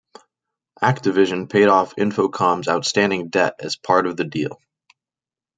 Activision paid off Infocom's outstanding debt as part of the deal.